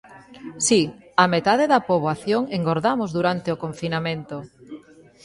Si, a metade da poboación engordamos durante o confinamento.